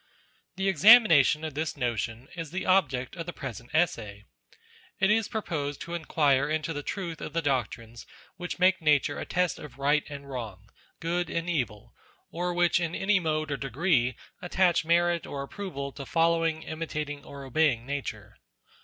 The examination of this notion, is the object of the present Essay. It is proposed to inquire into the truth of the doctrines which make Nature a test of right and wrong, good and evil, or which in any mode or degree attach merit or approval to following, imitat ing, or obeying Nature.